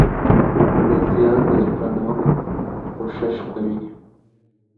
د زيان د جبرانولو کوشش کوي.